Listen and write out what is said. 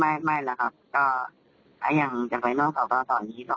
ให้ขอบคุณค่ะเลิกเหลือละครับ